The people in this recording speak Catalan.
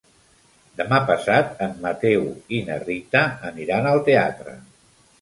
Demà passat en Mateu i na Rita aniran al teatre.